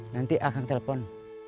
nanti akan telpon